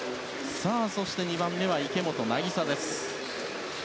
そして日本の２番目は池本凪沙です。